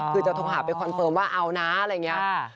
คือจะโทรหาไปคอนเฟิร์มว่าเอานะอะไรอย่างนี้